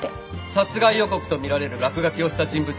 殺害予告とみられる落書きをした人物を特定した。